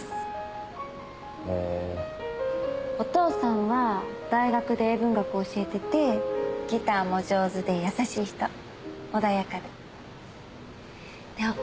お父さんは大学で英文学教えててギターも上手で優しい人穏やかで。